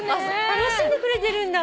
楽しんでくれてるんだ。